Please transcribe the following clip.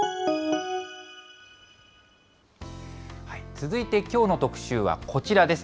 続いて、きょうの特集はこちらです。